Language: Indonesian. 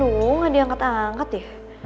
halo gak diangkat angkat ya